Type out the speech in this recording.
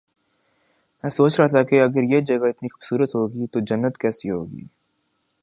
میں سوچ رہا تھا کہ اگر یہ جگہ اتنی خوب صورت ہے تو جنت کیسی ہو گی